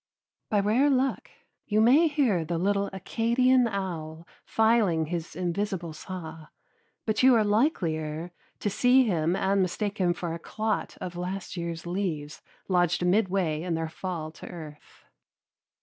By rare luck you may hear the little Acadian owl filing his invisible saw, but you are likelier to see him and mistake him for a clot of last year's leaves lodged midway in their fall to earth.